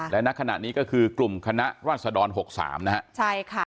และณขณะนี้ก็คือกลุ่มคณะรัศดร๖๓นะฮะใช่ค่ะ